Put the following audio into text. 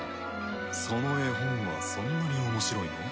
その絵本はそんなにおもしろいの？